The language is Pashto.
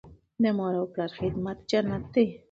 د مور او پلار خدمت جنت دی.